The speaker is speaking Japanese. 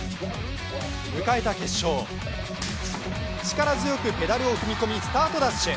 迎えた決勝、力強くペダルを踏み込みスタートダッシュ。